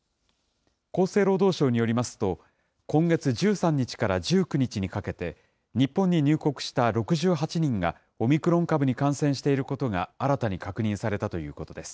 厚生労働省によりますと、今月１３日から１９日にかけて、日本に入国した６８人が、オミクロン株に感染していることが新たに確認されたということです。